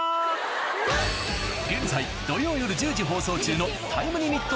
現在土曜夜１０時放送中のタイムリミット